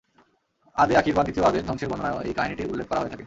আদে আখির বা দ্বিতীয় আদের ধ্বংসের বর্ণনায়ও এই কাহিনীটির উল্লেখ করা হয়ে থাকে।